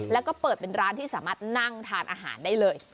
แล้วก็เปิดเป็นร้านที่สามารถนั่งทานอาหารได้เลย